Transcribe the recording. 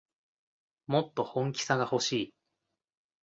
もっと本気さがほしい